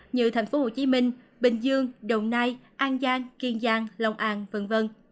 như thành phố hồ chí minh bình dương đồng nai an giang kiên giang lòng an v v